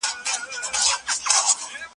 ميلمه پالنه د افغانانو او مسلمانانو ښه صفت دی.